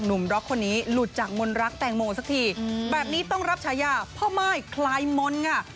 นุ่มรักคนนี้หลุดจากมนรักแต่งโหมสักทีแบบนี้ต้องรับชายาเพราะไม่คลายมนต์ไง